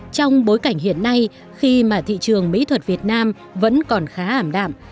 trong bối cảnh hiện nay khi mà thị trường mỹ thuật việt nam vẫn còn khá ảm đạm